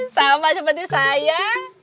sama seperti saya